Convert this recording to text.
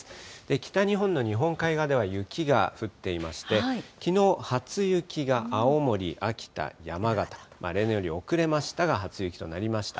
北日本の日本海側では雪が降っていまして、きのう、初雪が青森、秋田、山形、例年より遅れましたが、初雪となりました。